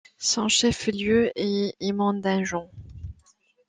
Son chef lieu est Emmendingen.